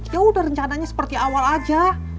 ya udah rencananya seperti awal aja